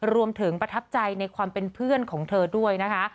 ประทับใจในความเป็นเพื่อนของเธอด้วยนะคะ